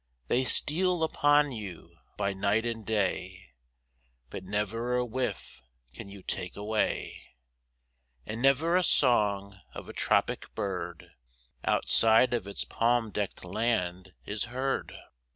They steal upon you by night and day, But never a whiff can you take away: And never a song of a tropic bird Outside of its palm decked land is heard.